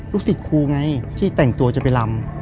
ศิษย์ครูไงที่แต่งตัวจะไปลำ